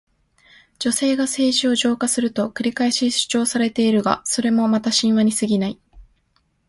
女性が政治を浄化すると繰り返し主張されているが、それもまた神話にすぎない。